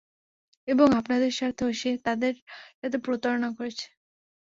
এবং আপনাদের স্বার্থেও সে তাদের সাথে প্রতারণা করেছে।